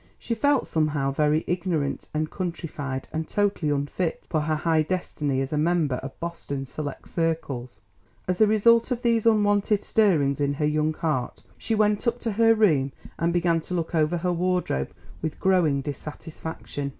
She felt somehow very ignorant and countrified and totally unfit for her high destiny as a member of Boston's select circles. As a result of these unwonted stirrings in her young heart she went up to her room and began to look over her wardrobe with growing dissatisfaction.